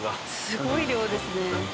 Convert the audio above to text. すごい量ですね。